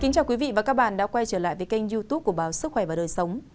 chào các bạn đã quay trở lại với kênh youtube của báo sức khỏe và đời sống